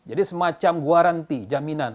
jadi semacam guaranti jaminan